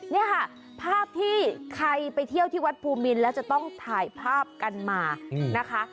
นี่ค่ะภาพที่ใครไปเที่ยวที่วัดภูมินแล้วจะต้องถ่ายภาพกันมานะคะ